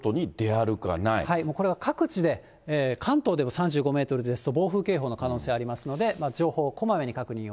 これは各地で、関東でも３５メートルですと、暴風警報の可能性ありますので、情報をこまめに確認を。